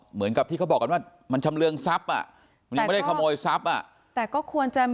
เหมือนกับที่เขาบอกว่ามันชำเรืองทรัพย์ไม่ได้ขโมยทรัพย์แต่ก็ควรจะมี